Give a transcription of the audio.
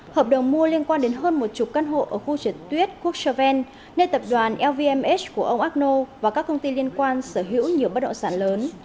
hợp đồng mua liên quan đến hơn một chục căn hộ ở khu trượt tuyết quốc chauven nơi tập đoàn lvmh của ông akno và các công ty liên quan sở hữu nhiều bất động sản lớn